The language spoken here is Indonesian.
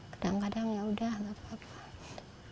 kadang kadang ya udah gak apa apa